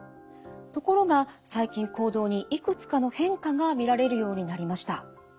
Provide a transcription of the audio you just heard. ところが最近行動にいくつかの変化が見られるようになりました。